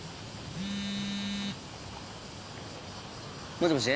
もしもし。